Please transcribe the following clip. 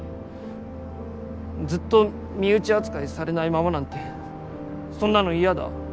ずっと身内扱いされないままなんてそんなの嫌だ。